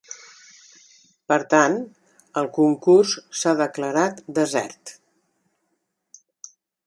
Per tant, el concurs s’ha declarat desert.